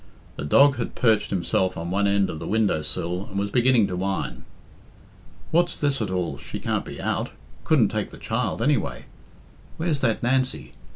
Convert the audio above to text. The dog had perched himself on one end of the window sill and was beginning to whine. "What's this at all? She can't be out. Couldn't take the child anyway. Where's that Nancy?